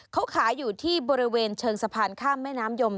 เขาขายอยู่ที่บริเวณเชิงสะพานข้ามแม่น้ำยม